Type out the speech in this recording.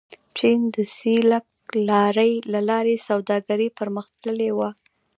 چین د سیلک لارې له لارې سوداګري پرمختللې وه.